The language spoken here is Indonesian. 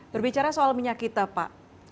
berbicara soal minyak kita pak